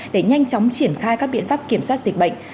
để nhanh chóng triển khai các biện pháp kiểm soát dịch bệnh